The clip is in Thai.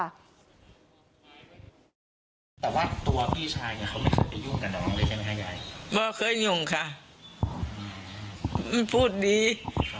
แต่ว่าตัวพี่ชายเนี้ยเขาไม่เคยไปยุ่งกับน้องเลยใช่ไหมค่ะยาย